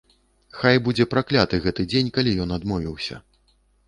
Хай будзе пракляты гэты дзень, калі ён адмовіўся.